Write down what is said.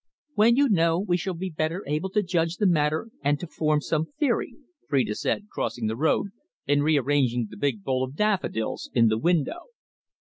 "When you know, we shall be better able to judge the matter and to form some theory," Phrida said, crossing the room and re arranging the big bowl of daffodils in the window.